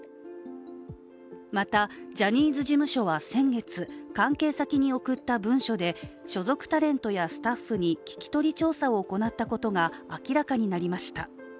また、ジャニーズ事務所は先月、関係先に送った文書で所属タレントやスタッフに聞き取り調査を行ったことが明らかになりました。